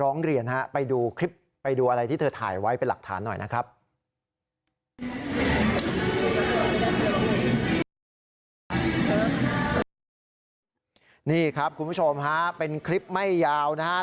นี่ครับคุณผู้ชมฮะเป็นคลิปไม่ยาวนะฮะ